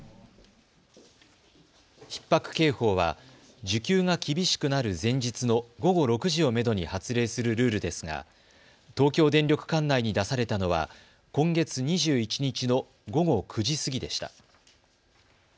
ひっ迫警報は需給が厳しくなる前日の午後６時をめどに発令するルールですが東京電力管内に出されたのは今月２１日の午後９時過ぎでした。